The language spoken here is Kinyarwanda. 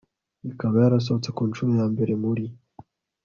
ikaba yarasohotse ku nshuro ya mbere muri